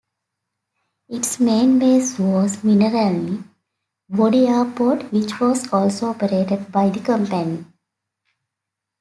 Its main base was Mineralnye Vody Airport, which was also operated by the company.